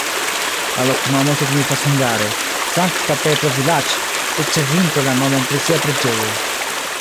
La loknomo signifas hungare: Sankta Petro-vilaĝ', ricevinte la nomon pri sia preĝejo.